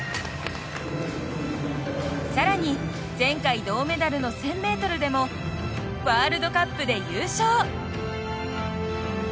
更に、前回銅メダルの１０００ｍでもワールドカップで優勝。